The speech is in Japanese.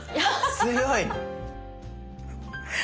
強い。